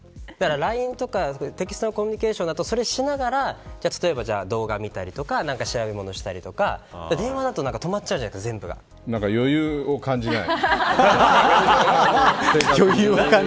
ＬＩＮＥとかテキストのコミュニケーションだとそれをしながら動画みたりとか調べ物をしたりとか電話だと止まっちゃうなんか余裕を感じない。